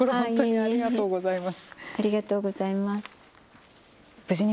ありがとうございます。